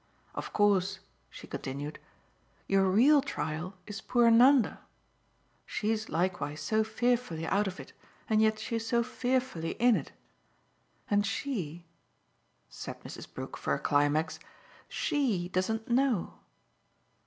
Of course," she continued, "your real trial is poor Nanda she's likewise so fearfully out of it and yet she's so fearfully in it. And she," said Mrs. Brook for a climax "SHE doesn't know!"